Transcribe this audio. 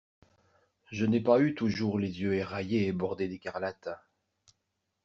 Je n’ai pas eu toujours les yeux éraillés et bordés d’écarlate.